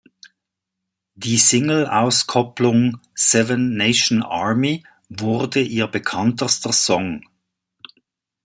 Die Single-Auskopplung "Seven Nation Army" wurde ihr bekanntester Song.